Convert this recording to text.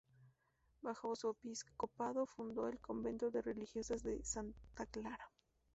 Bajo su episcopado fundó el convento de religiosas de Santa Clara.